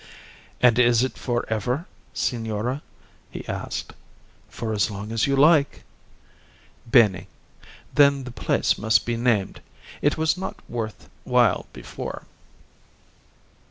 "And is it for ever, signora?" he asked. "For as long as you like." "Bene. Then the place must be named, It was not worth while before."